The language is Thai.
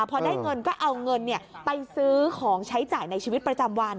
พอได้เงินก็เอาเงินไปซื้อของใช้จ่ายในชีวิตประจำวัน